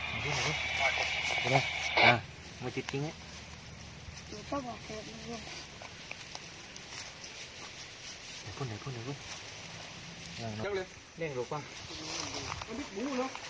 ปุ๊ปมันรู้ว่ามีคนที่อยู่มันเข้ามีอัศวินได้